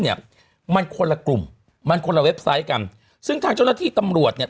เนี่ยมันคนละกลุ่มมันคนละเว็บไซต์กันซึ่งทางเจ้าหน้าที่ตำรวจเนี่ย